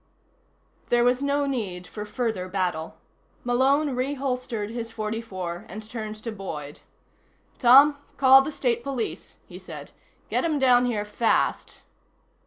There was no need for further battle. Malone reholstered his .44 and turned to Boyd. "Tom, call the State Police," he said. "Get 'em down here fast."